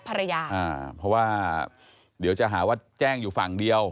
หรือจะหาว่าแจ้งอยู่ฝั่งเดียว